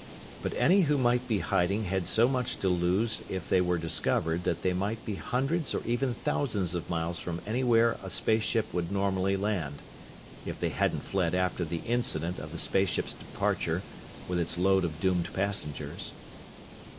But any who might be hiding had so much to lose if they were discovered that they might be hundreds or even thousands of miles from anywhere a space ship would normally land if they hadn't fled after the incident of the spaceship's departure with its load of doomed passengers.